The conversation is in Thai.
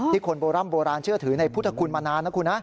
คนโบร่ำโบราณเชื่อถือในพุทธคุณมานานนะคุณนะ